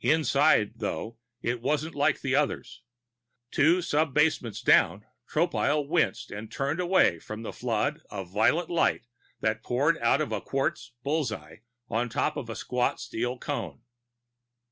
Inside, though, it wasn't like the others. Two sub basements down, Tropile winced and turned away from the flood of violet light that poured out of a quartz bull's eye on top of a squat steel cone.